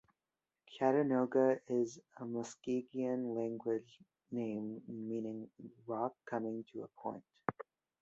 Chattanooga is a Muskogean-language name meaning "rock coming to a point".